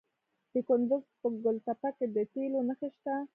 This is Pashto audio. د کندز په ګل تپه کې د تیلو نښې شته.